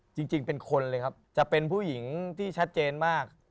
จริงเป็นคนเลยครับจะเป็นผู้หญิงที่ชัดเจนมาก